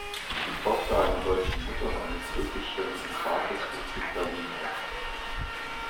Die Tochter einer deutschen Mutter und eines türkischstämmigen Vaters wuchs in Berlin auf.